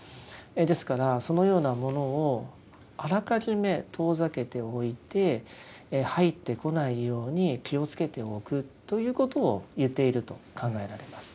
ですからそのようなものをあらかじめ遠ざけておいて入ってこないように気をつけておくということを言っていると考えられます。